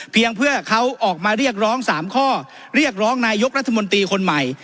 เพื่อเขาออกมาเรียกร้อง๓ข้อเรียกร้องนายกรัฐมนตรีคนใหม่